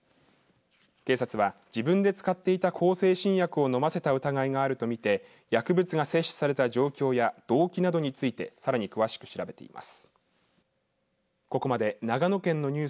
警察は自分で使っていた向精神薬を飲ませた疑いがあると見て薬物が摂取された状況や動機などについてさらに詳しく調べています。